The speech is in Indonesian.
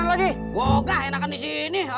enggak enakan di sini